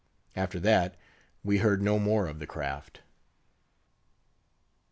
_ After that, we heard no more of the craft.